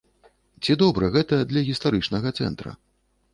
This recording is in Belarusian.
Ці добра гэта для гістарычнага цэнтра?